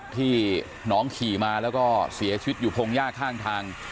ที่น้องขี่มาแล้วก็เสียชีวิตอยู่พงหญ้าข้างทาง